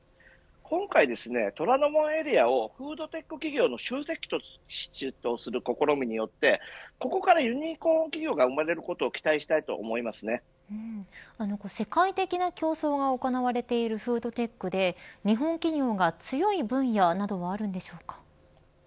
今回、虎ノ門エリアをフードテック企業の集積地とする試みによってここからユニコーン企業が生まれることを世界的な競争が行われているフードテックで日本企業が強い分野などはあるのでしょうか。